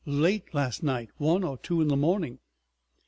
"Late last night. One or two in the morning."